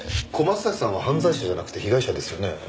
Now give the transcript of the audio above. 小松崎さんは犯罪者じゃなくて被害者ですよね？